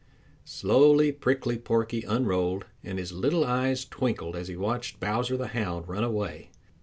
Slowly Prickly Porky unrolled, and his little eyes twinkled as he watched Bowser the Hound run away.